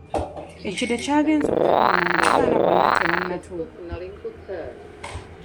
Ekide ky'agenze okukoona nga abaana bonna tebannatuuka.